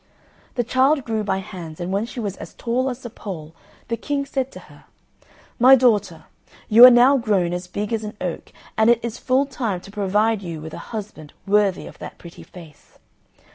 The child grew by hands, and when she was as tall as a pole the King said to her, "My daughter, you are now grown as big as an oak, and it is full time to provide you with a husband worthy of that pretty face.